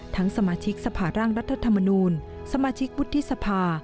สมาชิกสภาร่างรัฐธรรมนูลสมาชิกวุฒิสภา